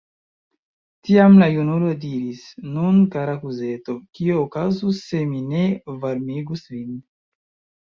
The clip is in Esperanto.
Tiam la junulo diris: Nun, kara kuzeto, kio okazus se mi ne varmigus vin?